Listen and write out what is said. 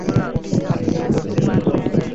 আর লোকেরা এ কারণে চিরকাল তোমাকে লাঞ্ছনা দিবে।